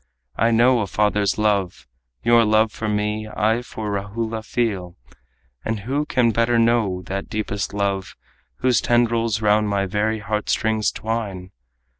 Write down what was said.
I know a father's love. Your love for me I for Rahula feel, And who can better know that deepest love Whose tendrils round my very heartstrings twine!